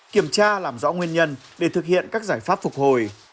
kiểm tra làm rõ nguyên nhân để thực hiện các giải pháp phục hồi